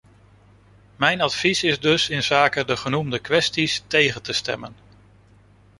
Mijn advies is dus inzake de genoemde kwesties tegen te stemmen.